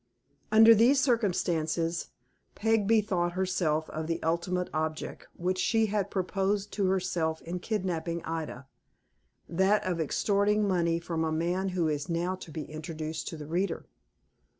Under these circumstances, Peg bethought herself of the ultimate object which she had proposed to herself in kidnapping Ida that of extorting money from a man who is now to be introduced to the reader.